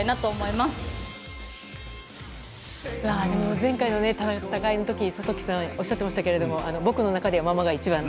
前回の大会の時に諭樹さんおっしゃっていましたが僕の中ではママが一番と。